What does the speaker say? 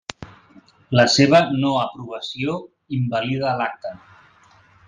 La seva no aprovació invalida l'acte.